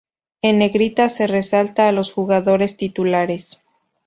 En negrita se resalta a los jugadores titulares.